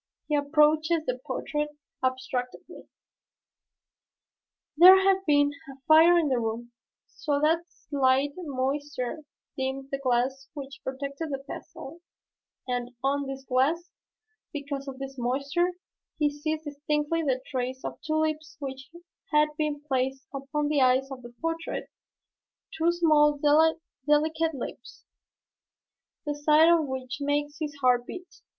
He approaches the portrait abstractedly. There had been a fire in the room, so that a slight moisture dimmed the glass which protected the pastel, and on this glass, because of this moisture, he sees distinctly the trace of two lips which had been placed upon the eyes of the portrait, two small delicate lips, the sight of which makes his heart beat.